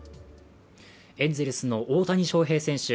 エンゼルスの大谷翔平選手